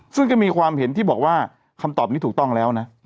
ซึ่งก็มีความเห็นที่บอกว่าคำตอบนี้ถูกต้องแล้วนะ